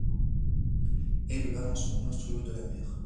Et le balancement monstrueux de la mer